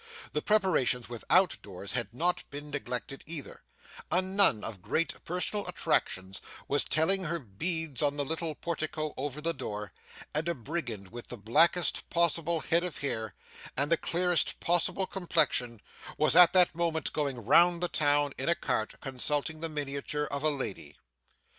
The preparations without doors had not been neglected either; a nun of great personal attractions was telling her beads on the little portico over the door; and a brigand with the blackest possible head of hair, and the clearest possible complexion, was at that moment going round the town in a cart, consulting the miniature of a lady.